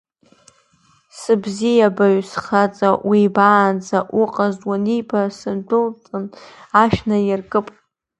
Сыбзиабаҩ, схаҵа уибаанӡа уҟаз, уаниба, сындәылцан ашә наиркып!